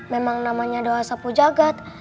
memang namanya doa sapu jagad